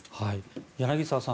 柳澤さん